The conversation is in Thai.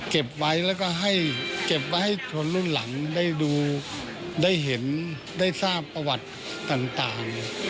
เก็บไว้แล้วก็ให้เก็บไว้ให้คนรุ่นหลังได้ดูได้เห็นได้ทราบประวัติต่าง